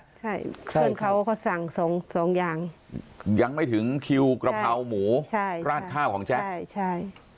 เพื่อนเขาเขาสั่งสองอย่างยังไม่ถึงคิวกระเพราหมูราดข้าวของแจ๊กใช่